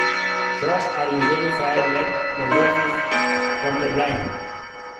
Shots are usually fired when the wolf is from the blind.